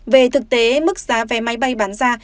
về thực tế mức giá vé máy bay bán ra